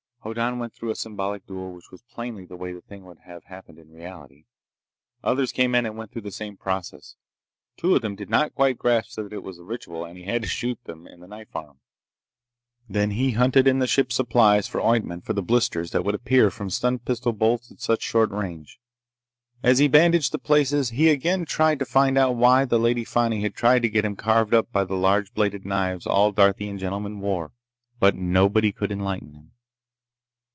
Hoddan went through a symbolic duel, which was plainly the way the thing would have happened in reality. Others came in and went through the same process. Two of them did not quite grasp that it was a ritual, and he had to shoot them in the knife arm. Then he hunted in the ship's supplies for ointment for the blisters that would appear from stun pistol bolts at such short range. As he bandaged the places, he again tried to find out why the Lady Fani had tried to get him carved up by the large bladed knives all Darthian gentlemen wore. Nobody could enlighten him.